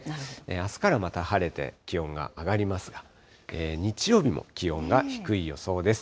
あすからまた晴れて、気温は上がりますが、日曜日も気温が低い予想です。